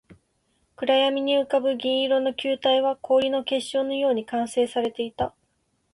暗闇に浮ぶ銀色の球体は、氷の結晶のように完成されていた